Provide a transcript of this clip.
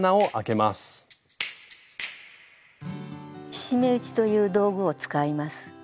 菱目打ちという道具を使います。